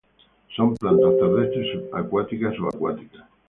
Son plantas terrestres, subacuáticas o acuáticas.